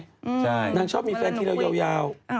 ใช่นางชอบมีแฟนทีละยาว